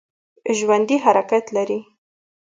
ژوندي حرکت لري